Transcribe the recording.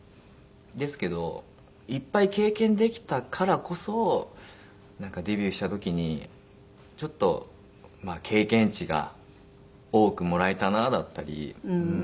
ですけどいっぱい経験できたからこそデビューした時にちょっと経験値が多くもらえたなだったり。